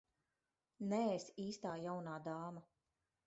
Neesi īstā jaunā dāma.